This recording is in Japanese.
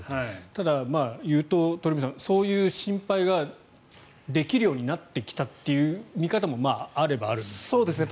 ただ、言うと鳥海さん、そういう心配ができるようになってきたという見方があればあるんですね。